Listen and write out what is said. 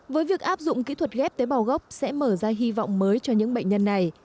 với việc áp dụng kỹ thuật ghép tế bào gốc sẽ mở ra hy vọng mới cho những bệnh nhân này